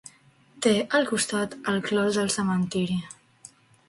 Té al costat el clos del cementiri.